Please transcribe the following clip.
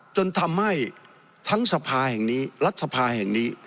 จนทำให้ทั้งสภาแห่งนี้รัฐสภาแห่งนี้